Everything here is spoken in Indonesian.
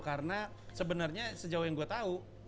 karena sebenarnya sejauh yang gue tahu